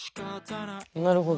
なるほど。